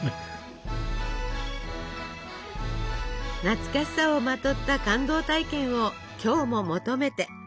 懐かしさをまとった感動体験を今日も求めて。